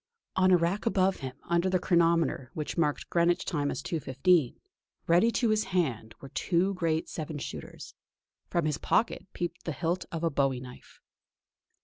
On a rack above him, under the chronometer which marked Greenwich time as 2.15, ready to his hand, were two great seven shooters; from his pocket peeped the hilt of a bowie knife.